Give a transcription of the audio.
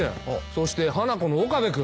そしてハナコの岡部君。